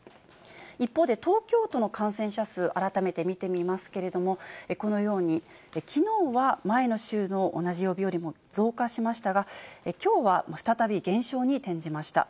一方で東京都の感染者数、改めて見てみますけれども、このように、きのうは前の週の同じ曜日よりも増加しましたが、きょうは再び減少に転じました。